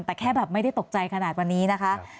แต่แค่แบบไม่ได้ตกใจขนาดวันนี้นะคะ